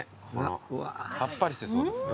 さっぱりしてそうですね。